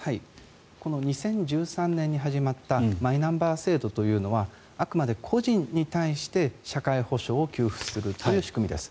この２０１３年に始まったマイナンバー制度というのはあくまで個人に対して社会保障を給付するという仕組みです。